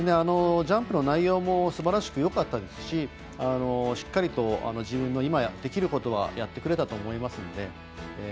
ジャンプの内容もすばらしくよかったですししっかりと自分の今できることはやってくれたと思いますので。